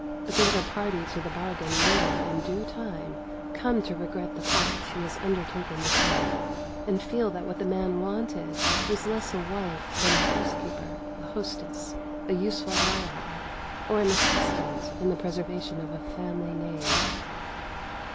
But the other party to the bargain will, in due time, come to regret the part she has undertaken to play, and feel that what the man wanted was less a wife than a housekeeper, a hostess, a useful ally, or an assistant in the preservation of a family name.